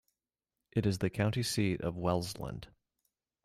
It is the county seat of Wels-Land.